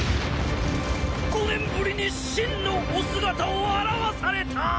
５年ぶりに真のお姿を現された！